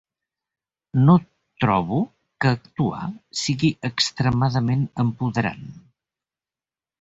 No trobo que actuar sigui extremadament empoderant.